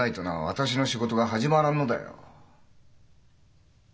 私の仕事が始まらんのだよ。